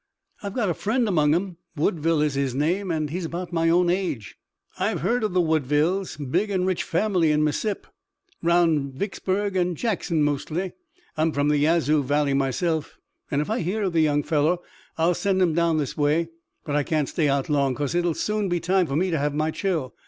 "I've got a friend among 'em. Woodville is his name, and he's about my own age." "I've heard of the Woodvilles. Big an' rich family in Missip. 'Roun' Vicksburg and Jackson mostly. I'm from the Yazoo valley myself, an' if I hear of the young fellow I'll send him down this way. But I can't stay out long, 'cause it'll soon be time for me to have my chill.